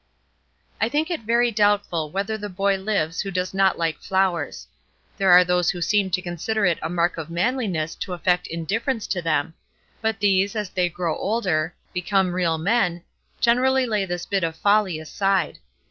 I think it very doubtful whether the boy lives who does not like flowers. There are those who seem to consider it a mark of manliness to affect indifference to them; but these, as they grow older become real men generally lay this bit of folly aside.